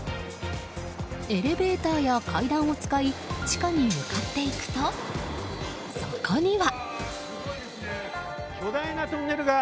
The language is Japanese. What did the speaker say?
エレベーターや階段を使い地下に向かっていくとそこには。